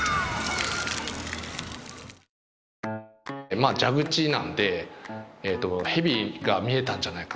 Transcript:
まあ蛇口なんで蛇が見えたんじゃないかっていう。